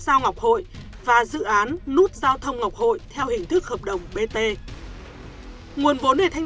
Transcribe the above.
giao ngọc hội và dự án nút giao thông ngọc hội theo hình thức hợp đồng bt nguồn vốn để thanh